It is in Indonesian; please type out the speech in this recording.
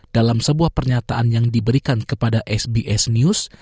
dalam sebuah pernyataan yang diberikan kepada sbs news